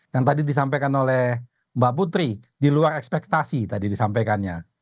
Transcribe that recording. yang tadi disampaikan oleh mbak putri di luar ekspektasi tadi disampaikannya